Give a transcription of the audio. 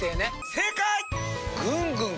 正解！